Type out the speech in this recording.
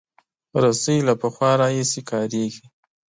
رسۍ له پخوا راهیسې کارېږي.